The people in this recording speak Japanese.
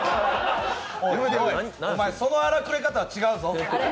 おまえ、その荒くれ方は違うぞ。